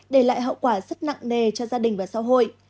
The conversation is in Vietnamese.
để lại hậu quả rất nặng nề cho gia đình và xã hội